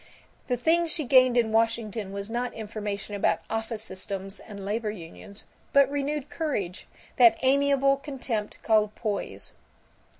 The thing she gained in Washington was not information about office systems and labor unions but renewed courage, that amiable contempt called poise.